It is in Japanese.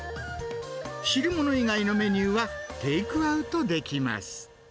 汁物以外のメニューは、テイクアウトできます。